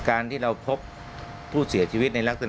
การที่เราพบผู้เสียชีวิตในลักษณะ